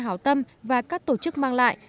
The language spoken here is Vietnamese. hảo tâm và các tổ chức mang lại